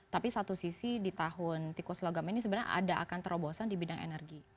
tapi satu sisi di tahun tikus logam ini sebenarnya ada akan terobosan di bidang energi